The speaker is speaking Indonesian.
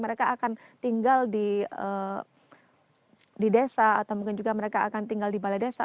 mereka akan tinggal di desa atau mungkin juga mereka akan tinggal di balai desa